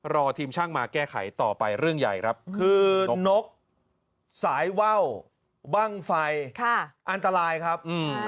รอทีมช่างมาแก้ไขต่อไปเรื่องใหญ่ครับคือนกสายว่าวบ้างไฟอันตรายครับ